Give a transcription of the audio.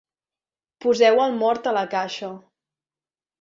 Poseu el mort a la caixa.